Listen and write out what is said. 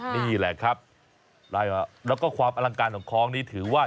นี่แหละครับแล้วก็ความอลังการของคล้องนี้ถือว่า